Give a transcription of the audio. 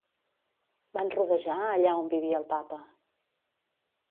Van rodejar allà on vivia el Papa.